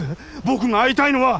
僕が会いたいのは！